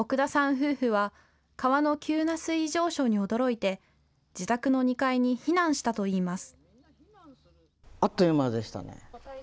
夫婦は川の急な水位上昇に驚いて自宅の２階に避難したといいます。